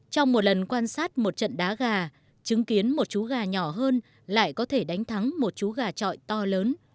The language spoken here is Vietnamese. trong một lần quan sát một trận đá gà chứng kiến một chú gà nhỏ hơn lại có thể đánh thắng một chú gà trọi to lớn